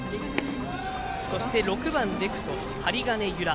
そして、６番レフト針金侑良。